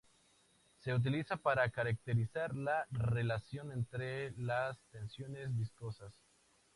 Se utiliza para caracterizar la relación entre las tensiones viscosas.